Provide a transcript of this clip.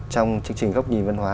trong chương trình góc nhìn văn hóa